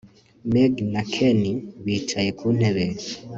Meg na Ken bicaye ku ntebe